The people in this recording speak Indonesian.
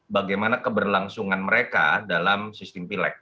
bagaimana keberlangsungan mereka dalam sistem pilek